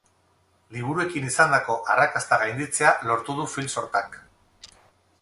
Liburuekin izandako arrakasta gainditzea lortu du film-sortak.